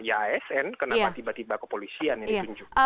yasn kenapa tiba tiba kepolisian ini ditunjukkan